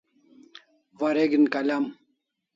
Wareg'in kalam